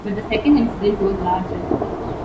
But the second incident was larger.